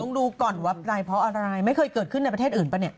ต้องดูก่อนว่าในเกิดอะไรไม่เคยเกิดขึ้นในประเทศอื่นปะเนี่ย